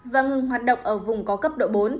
và ngừng hoạt động ở vùng có cấp độ bốn